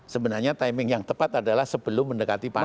sebenarnya timing yang tepat adalah sebelum mendekati pandemi